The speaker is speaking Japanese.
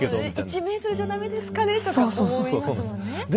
「１ｍじゃ駄目ですかね？」とか思いますもんね。